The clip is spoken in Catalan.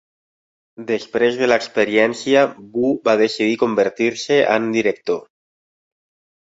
Després de l'experiència Wu va decidir convertir-se en director.